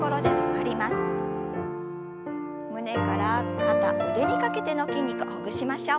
胸から肩腕にかけての筋肉ほぐしましょう。